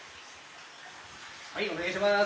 はいお願いします。